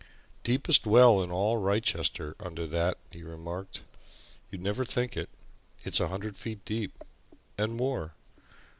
"Deepest well in all Wrychester under that," he remarked. "You'd never think it it's a hundred feet deep and more!